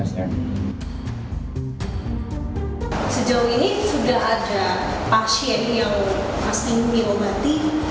sejauh ini sudah ada pasien yang masih diobati